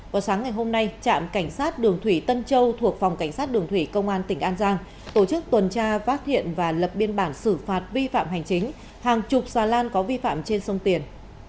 vào sáng ngày hôm nay trạm cảnh sát đường thủy tân châu thuộc phòng cảnh sát đường thủy công an tỉnh an giang tổ chức tuần tra phát hiện và lập biên bản xử phạt vi phạm hành chính hàng chục xà lan có vi phạm trên sông tiền